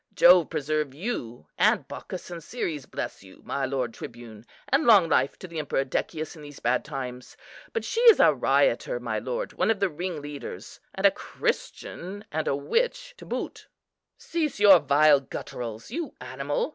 Jove preserve you, and Bacchus and Ceres bless you, my lord tribune! and long life to the Emperor Decius in these bad times. But she is a rioter, my lord, one of the ringleaders, and a Christian and a witch to boot." "Cease your vile gutturals, you animal!"